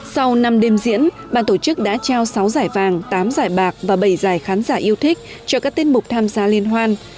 sau năm đêm diễn bàn tổ chức đã trao sáu giải vàng tám giải bạc và bảy giải khán giả yêu thích cho các tiết mục tham gia liên hoan